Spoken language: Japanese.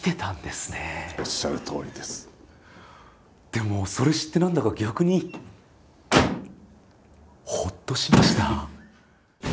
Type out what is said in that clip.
でもそれ知って何だか逆にほっとしました。